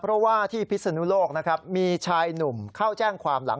เพราะว่าที่พิศนุโลกนะครับมีชายหนุ่มเข้าแจ้งความหลัง